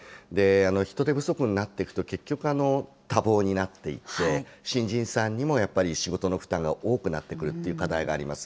人手不足になっていくと、結局、多忙になっていって、新人さんにもやっぱり仕事の負担が多くなってくるという課題があります。